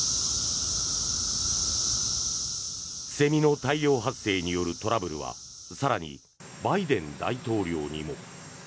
セミの大量発生によるトラブルは更にバイデン大統領にも。